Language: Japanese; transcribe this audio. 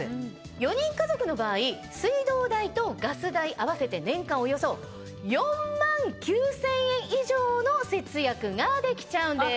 ４人家族の場合水道代とガス代合わせて年間およそ４万９０００円以上の節約ができちゃうんです。